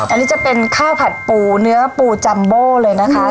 อันนี้จะเป็นข้าวผัดปูเนื้อปูจัมโบ้เลยนะคะ